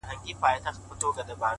پلار ډېر کمزوری سوی دی اوس,